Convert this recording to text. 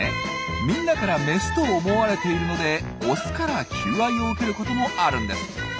みんなからメスと思われているのでオスから求愛を受けることもあるんです。